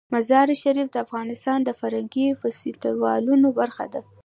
مزارشریف د افغانستان د فرهنګي فستیوالونو برخه ده.